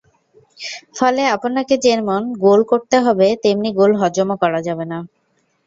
ফলে আপনাকে যেমন গোল করতে হবে, তেমনি গোল হজমও করা যাবে না।